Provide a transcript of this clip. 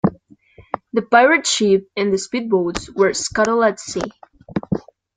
The pirate ship and the speedboats were scuttled at sea.